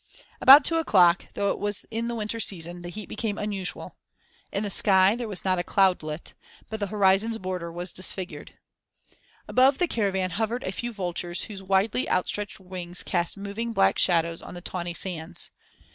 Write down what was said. About two o'clock, though it was in the winter season, the heat became unusual. In the sky there was not a cloudlet, but the horizon's border was disfigured. Above the caravan hovered a few vultures whose widely outstretched wings cast moving, black shadows on the tawny sands.